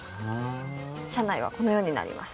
車内はこのようになります。